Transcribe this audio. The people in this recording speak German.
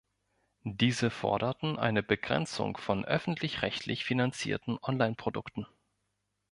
Diese forderten eine Begrenzung von öffentlich-rechtlich finanzierten Online-Produkten.